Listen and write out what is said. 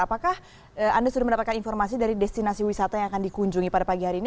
apakah anda sudah mendapatkan informasi dari destinasi wisata yang akan dikunjungi pada pagi hari ini